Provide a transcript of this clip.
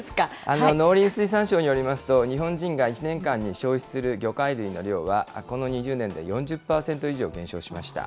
農林水産省によりますと、日本人が１年間に消費する魚介類の量は、この２０年で４０％以上減少しました。